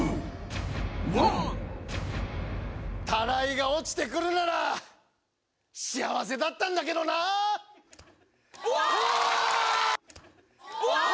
タライが落ちてくるなら幸せだったんだけどなうわー！